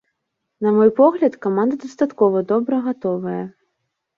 На мой погляд, каманда дастаткова добра гатовая.